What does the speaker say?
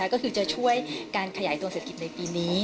ก็คือจะช่วยการขยายตัวเศรษฐกิจในปีนี้